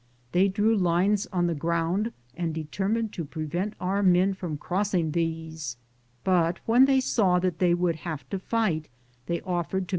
They drew lines on the ground and determined to prevent our men from crossing these, but when they saw that they would have to fight they offered to make peace be Keport, vol.